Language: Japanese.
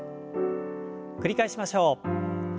繰り返しましょう。